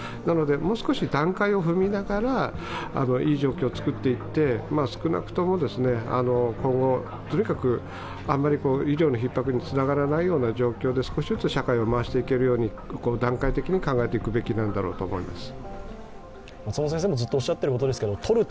もう少し段階を踏みながら、いい状況を作っていって少なくとも今後あまり医療のひっ迫につながらないような状況で少しずつ社会を回していけるように段階的に考えていくべきだと思います。